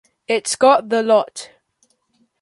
It’s got the lot.